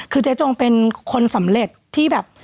คือเจ๊จงเป็นคนสำเร็จที่แบบ